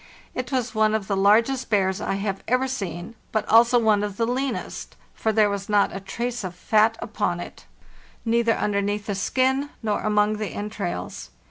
It was one of the largest bears I have ever seen, but also one of the leanest; for there was not a trace of fat upon it, neither underneath the skin nor among the entrails.